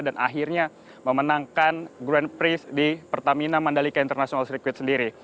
dan akhirnya memenangkan grand prix di pertamina mandalika international circuit sendiri